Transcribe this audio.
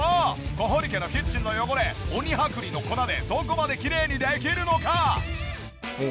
小堀家のキッチンの汚れ鬼剥離の粉でどこまできれいにできるのか？